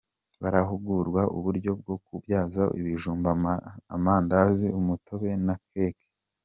Barahugurwa uburyo bwo kubyaza ibijumba amandazi umutobe na keke